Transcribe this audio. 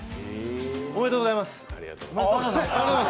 おめでとうございます！